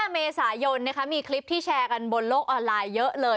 ๕เมษายนมีคลิปที่แชร์กันบนโลกออนไลน์เยอะเลย